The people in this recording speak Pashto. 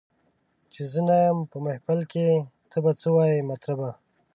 چي زه نه یم په محفل کي ته به څه وایې مطربه